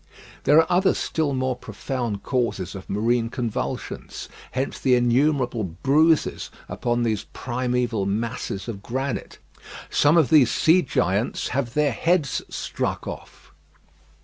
There are other still more profound causes of marine convulsions. Hence the innumerable bruises upon these primeval masses of granite. Some of these sea giants have their heads struck off.